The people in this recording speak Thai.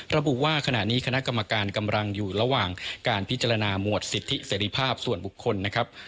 ระบุว่าขณะนี้คณะกรรมการกำลังอยู่ระหว่างการพิจารณาหมวดสิทธิเสรีภาพส่วนบุคคลนะครับ